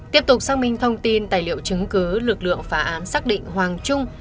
tiếp tục xác minh thông tin tài liệu chứng cứ lực lượng phá án xác định hoàng trung